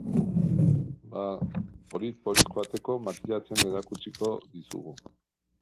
Bada, polit-polit joateko makillatzen erakutsikodizugu.